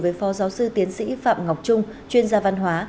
với phó giáo sư tiến sĩ phạm ngọc trung chuyên gia văn hóa